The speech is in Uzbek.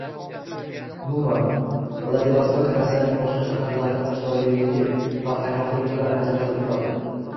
Umuman, Vladivostok Rossiyaning boshqa shaharlaridan chiroyliligi va qaynoqligi bilan ajralib turadi